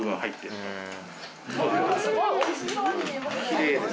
なんかすごいおいしそうに見えます。